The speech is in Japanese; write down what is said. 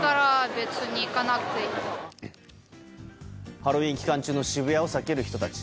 ハロウィーン期間中の渋谷を避ける人たち。